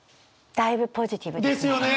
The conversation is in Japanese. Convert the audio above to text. だいぶポジティブですね。